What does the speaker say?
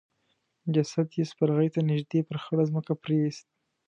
جسد يې سپرغي ته نږدې پر خړه ځمکه پريېست.